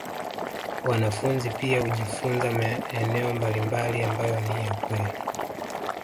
Wanafunzi pia hujifunza maeneo mbalimbali ambayo ni ya kweli